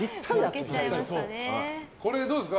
これ、どうですか？